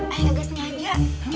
ayah gak sengaja